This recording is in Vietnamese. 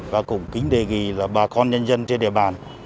và cũng kính đề nghị là bà con nhân dân trên địa bàn